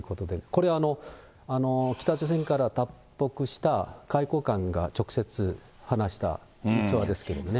これ、北朝鮮から脱北した外交官が直接話した逸話ですけどね。